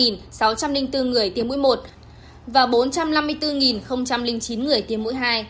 sáu trăm linh bốn người tiêm mũi một và bốn trăm năm mươi bốn chín người tiêm mũi hai